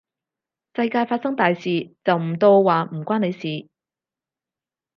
世界發生大事，就唔到話唔關你事